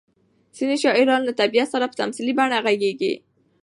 ځینې شاعران له طبیعت سره په تمثیلي بڼه غږېږي.